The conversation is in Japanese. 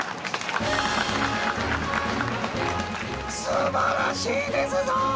素晴らしいですぞ！